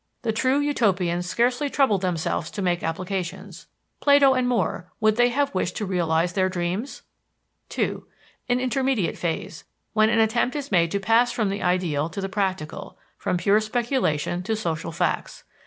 The true Utopians scarcely troubled themselves to make applications. Plato and More would they have wished to realize their dreams? (2) An intermediate phase, when an attempt is made to pass from the ideal to the practical, from pure speculation to social facts.